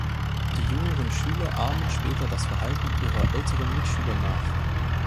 Die jüngeren Schüler ahmen später das Verhalten ihrer älteren Mitschüler nach.